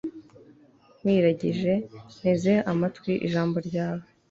nkwiragije, nteze amatwi ijambo ryawe